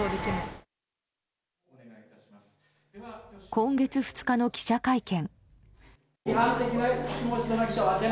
今月２日の記者会見。